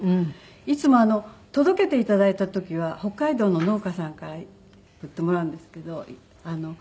いつも届けて頂いた時は北海道の農家さんから売ってもらうんですけど。